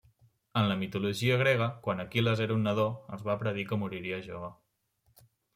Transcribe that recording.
En la mitologia grega, quan Aquil·les era un nadó, es va predir que moriria jove.